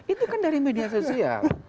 itu kan dari media sosial